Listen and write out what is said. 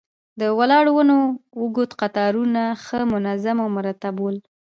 د ولاړو ونو اوږد قطارونه ښه منظم او مرتب ول.